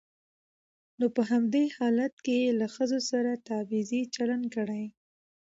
نو په همدې حالت کې يې له ښځو سره تبعيضي چلن کړى.